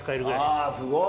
あすごい。